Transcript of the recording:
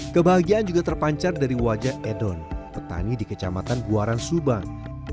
kebahagiaan juga terpancar dari wajah edhon perteni di kecamatan guaran subang